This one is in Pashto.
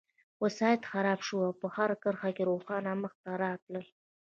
وسایط خراب شول او په هره کرښه کې روسان مخته راتلل